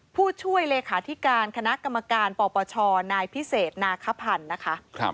ผู้ช่วยเลขาธิการคณะกรรมการปปชนายพิเศษนาคพันธ์นะคะ